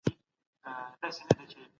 څلویښتۍ پر محمود ناوړه اغېزه وکړه.